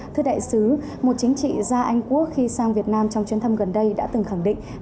thưa đại sứ một chính trị gia anh quốc khi sang việt nam trong chuyến thăm gần đây đã từng khẳng định